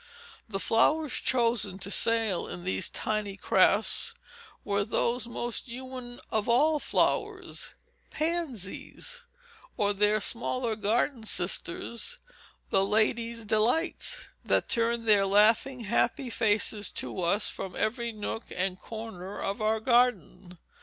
The flowers chosen to sail in these tiny crafts were those most human of all flowers, pansies, or their smaller garden sisters, the "ladies' delights" that turned their laughing, happy faces to us from every nook and corner of our garden.